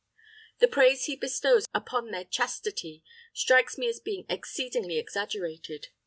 The praise he bestows upon their chastity strikes me as being exceedingly exaggerated.